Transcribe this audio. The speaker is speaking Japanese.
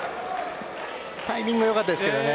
タイミングはよかったですけどね。